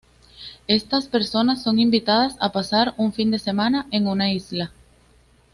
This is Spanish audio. Estas personas son invitadas a pasar un fin de semana en una isla.